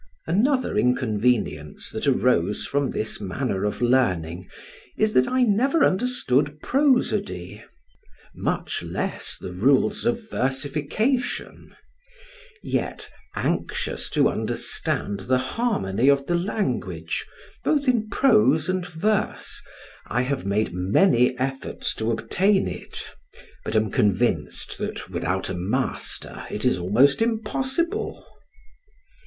Another inconvenience that arose from this manner of learning is, that I never understood prosody, much less the rules of versification; yet, anxious to understand the harmony of the language, both in prose and verse, I have made many efforts to obtain it, but am convinced, that without a master it is almost impossible.